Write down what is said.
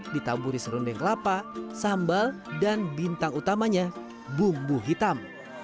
ditamburi serunding kelapa sambal dan bintang utamanya bumbu hitam